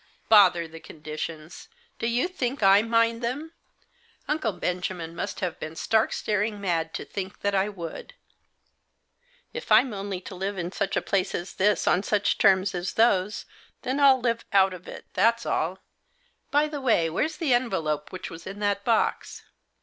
"Bother the conditions! Do you think I mind them? Uncle Benjamin must have been stark staring mad to think that I would. If I'm only to live in such a place as this on such terms as those, then I'll live out of it — that's all. By the way, where's the envelope which was in that box